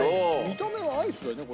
見た目はアイスだよね？